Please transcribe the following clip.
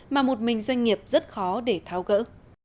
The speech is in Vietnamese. mà một mình doanh nghiệp rất khó để tháo gỡ